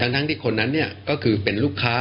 ทางรองผู้บัญชาการตำรวจแห่งชาติเป็นคนให้ข้อมูลเองนะคะ